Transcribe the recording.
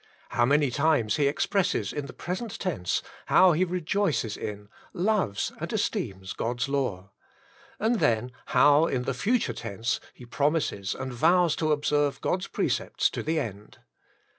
How many times he expresses in the present tense how he rejoices in, loves, and esteems God's law. And then how, in the future tense, he promises and vows to observe God's precepts to the end.